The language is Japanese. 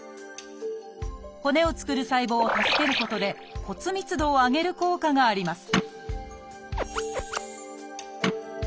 骨を作る細胞を助けることで骨密度を上げる効果があります